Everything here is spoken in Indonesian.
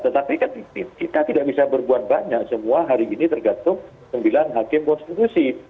tetapi kan kita tidak bisa berbuat banyak semua hari ini tergantung sembilan hakim konstitusi